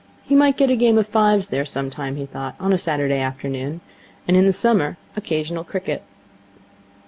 He might get a game of fives there sometimes, he thought, on a Saturday afternoon, and, in the summer, occasional cricket.